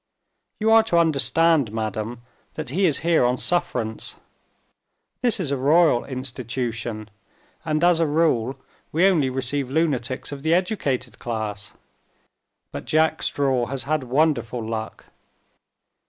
You are to understand, madam, that he is here on sufferance. This is a royal institution, and, as a rule, we only receive lunatics of the educated class. But Jack Straw has had wonderful luck.